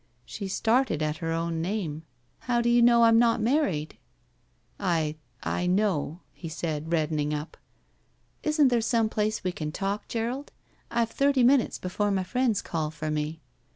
She started at her own name. How do you know I'm not married?" I — I know —" he said, reddening up. Isn't there some place we can talk, Gerald? I've thirty minutes before my friends call for me."